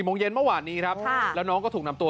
โมงเย็นเมื่อวานนี้ครับแล้วน้องก็ถูกนำตัว